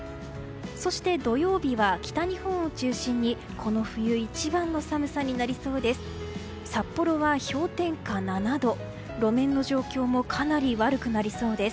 そして、土曜日は北日本を中心にこの冬一番の寒さになりそうです。